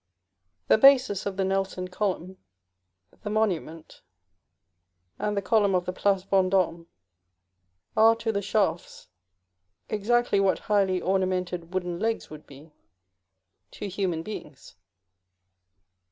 The bases of the Nelson Column, the Monument, and the column of the Place Vendôme, are to the shafts, exactly what highly ornamented wooden legs would be to human beings.